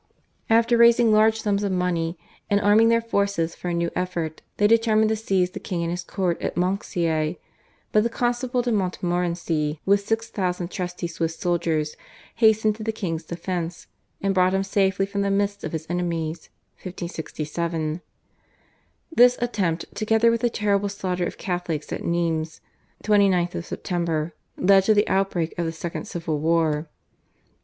After raising large sums of money and arming their forces for a new effort they determined to seize the king and his court at Monceau, but the Constable de Montmorency with six thousand trusty Swiss soldiers hastened to the king's defence, and brought him safely from the midst of his enemies (1567). This attempt together with the terrible slaughter of Catholics at Nimes (29 Sept.) led to the outbreak of the second civil war.